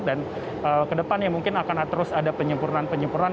dan kedepannya mungkin akan terus ada penyempurnaan penyempurnaan